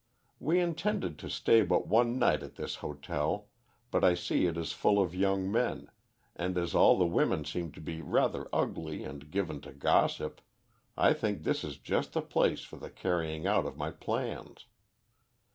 We intended to stay but one night at this hotel, but I see it is full of young men, and as all the women seem to be rather ugly and given to gossip, I think this is just the place for the carrying out of my plans.